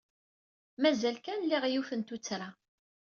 Mazal kan liɣ yiwet n tuttra.